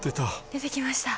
出てきました！